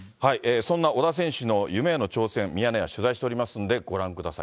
そんな小田選手の夢への挑戦、ミヤネ屋、取材しておりますので、ご覧ください。